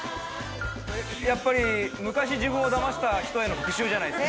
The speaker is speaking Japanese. やっぱり昔自分をだました人への復讐じゃないですか？